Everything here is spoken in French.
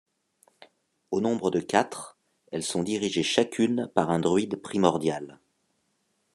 Au nombre de quatre, elles sont dirigées chacune par un druide primordial.